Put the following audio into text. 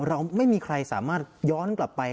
เราไม่มีใครสามารถย้อนกลับไป